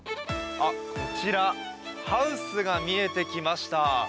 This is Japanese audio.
ハウスが見えてきました。